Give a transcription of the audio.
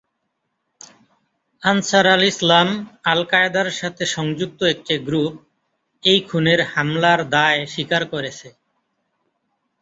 আনসার-আল-ইসলাম, আল-কায়েদার-সাথে সংযুক্ত একটি গ্রুপ এই খুনের হামলার দায় স্বীকার করেছে।